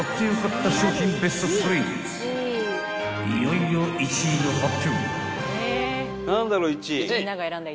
［いよいよ１位の発表］